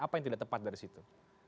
apa yang tidak tepat dari situ